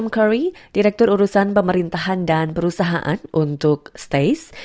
h m curry direktur urusan pemerintahan dan perusahaan untuk stays